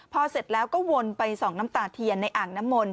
พอเสร็จแล้วก็วนไปส่องน้ำตาเทียนในอ่างน้ำมนต